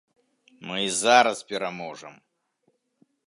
Мы і зараз пераможам!